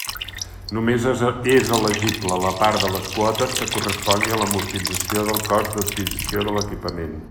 Només és elegible la part de les quotes que correspongui a l'amortització del cost d'adquisició de l'equipament.